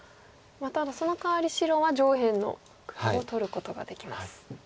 ただそのかわり白は上辺の黒を取ることができます。